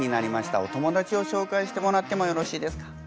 お友達を紹介してもらってもよろしいですか。